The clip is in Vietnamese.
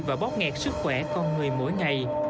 và bóp nghẹt sức khỏe con người mỗi ngày